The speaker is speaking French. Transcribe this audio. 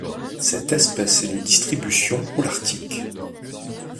Cette espèce est de distribution holarctique.